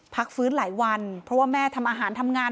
พักฟื้นหลายวันเพราะว่าแม่ทำอาหารทำงาน